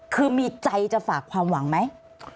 คือมีใจจะฝากความหวังไหม